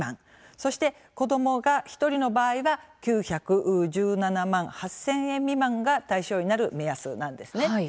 そして、子どもが１人の場合は９１７万８０００円未満が対象になる目安なんですね。